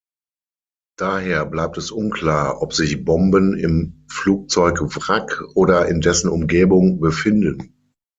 Daher bleibt es unklar, ob sich Bomben im Flugzeugwrack oder in dessen Umgebung befinden.